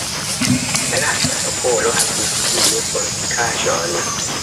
La lasta popolo havis tie fortikaĵon.